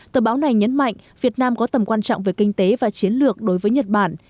tờ báo này nhấn mạnh việt nam có tầm quan trọng về kinh tế và chiến lược đối với nhật bản